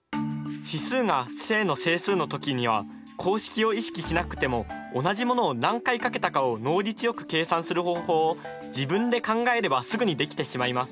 指数が正の整数の時には公式を意識しなくても同じものを何回かけたかを能率よく計算する方法を自分で考えればすぐにできてしまいます。